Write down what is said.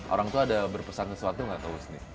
orang tua ada berpesan sesuatu gak ke husni